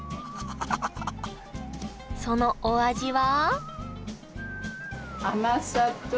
そのお味は？